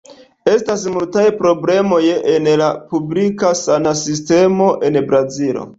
Estas multaj problemoj en la publika sana sistemo en Brazilo.